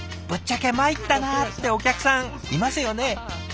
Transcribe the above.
ぶっちゃけ参ったなってお客さんいますよね？